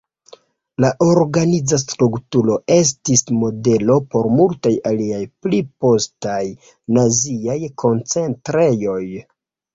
La organiza strukturo estis modelo por multaj aliaj pli postaj naziaj koncentrejoj.